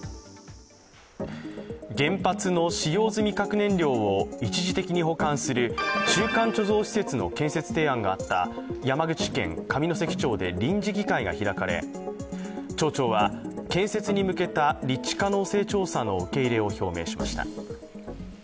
原発の使用済み核燃料を一時的に保管する中間貯蔵施設の建設提案があった山口県上関町で臨時議会が開かれ町長は建設に向けた立地可能性調査の受け入れを表明しました。